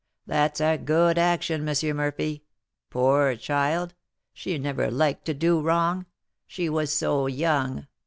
That's a good action, M. Murphy. Poor child! she never liked to do wrong, she was so young!